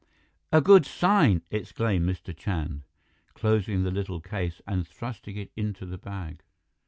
"A good sign!" exclaimed Mr. Chand, closing the little case and thrusting it into the bag.